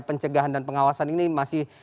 pencegahan dan pengawasan ini masih